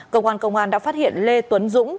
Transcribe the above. cơ quan công an đã phát hiện lê tuấn dũng